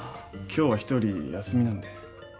今日は一人休みなんで。